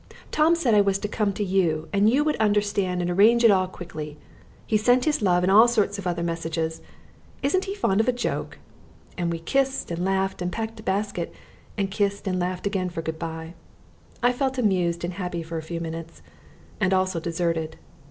Tom said I was to come to you, and you would understand and arrange it all quickly. He sent his love and all sorts of other messages. Isn't he fond of a joke?" And we kissed and laughed and packed a basket, and kissed and laughed again for good bye. I felt amused and happy for a few minutes and also deserted.